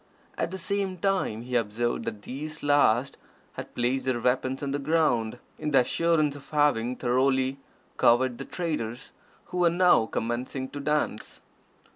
At the same time he observed that these last had placed their weapons on the ground, in the assurance of having thoroughly cowed the traders, who were now commencing to dance.